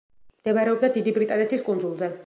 მდებარეობდა დიდი ბრიტანეთის კუნძულზე.